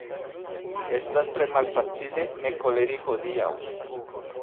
Estas tre malfacile ne koleri hodiaŭ.